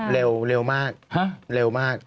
เร็วมาก